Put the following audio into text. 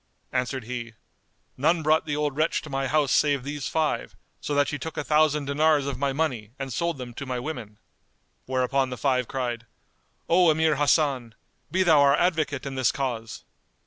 Answered he, "None brought the old wretch to my house save these five, so that she took a thousand dinars of my money and sold them to my women." Whereupon the five cried, "O Emir Hasan, be thou our advocate in this cause."